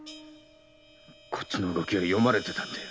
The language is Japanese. こっちの動きは読まれてたんだよ。